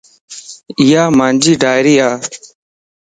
ايا مانجي ڊائري ا